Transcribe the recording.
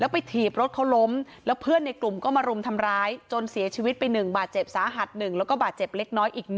ไปถีบรถเขาล้มแล้วเพื่อนในกลุ่มก็มารุมทำร้ายจนเสียชีวิตไป๑บาทเจ็บสาหัส๑แล้วก็บาดเจ็บเล็กน้อยอีก๑